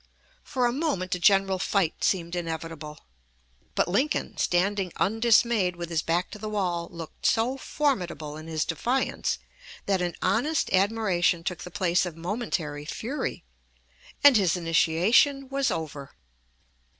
For a moment a general fight seemed inevitable; but Lincoln, standing undismayed with his back to the wall, looked so formidable in his defiance that an, honest admiration took the place of momentary fury, and his initiation was over.